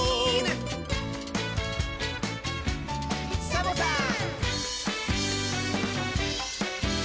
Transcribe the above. サボさん！